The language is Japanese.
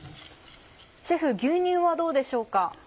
シェフ牛乳はどうでしょうか？